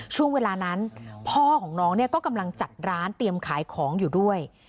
ช่วงเวลานั้นพ่อของน้องเนี่ยก็กำลังจัดร้านเตรียมขายของอยู่ด้วย